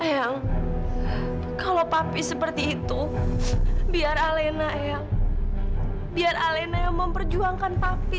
yang kalau papi seperti itu biar alena yang biar alena yang memperjuangkan papi